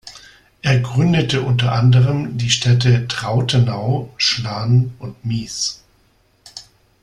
Er gründete unter anderem die Städte Trautenau, Schlan und Mies.